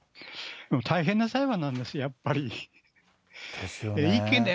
大変な裁判なんです、やっぱり。ですよね。